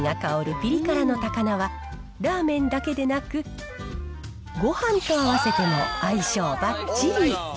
ピリ辛の高菜は、ラーメンだけでなく、ごはんと合わせても相性ばっちり。